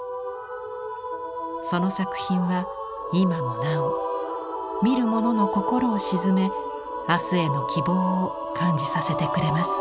その作品は今もなお見る者の心を静め明日への希望を感じさせてくれます。